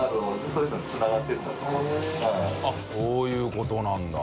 そういうことなんだ。